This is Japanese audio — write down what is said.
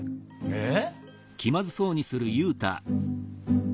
えっ？